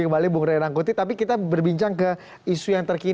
kalau suara amin itu merupakan suara pan